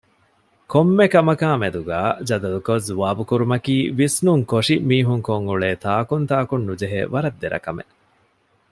ކޮންމެކަމަކާމެދުގައި ޖަދަލުކޮށް ޒުވާބުކުރުމަކީ ވިސްނުންކޮށި މީހުންކޮށްއުޅޭ ތާކުންތާކުނުޖެހޭ ވަރަށް ދެރަކަމެއް